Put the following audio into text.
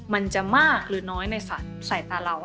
มันจะมากหรือน้อยในสายตาเรา